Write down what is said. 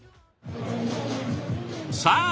さあ